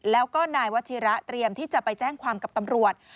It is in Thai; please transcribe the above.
แล้วก็นายวัชิระเตรียมที่จะไปแจ้งความกับตำรวจ